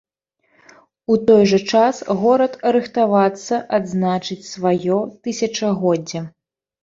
У той жа час горад рыхтавацца адзначыць сваё тысячагоддзе.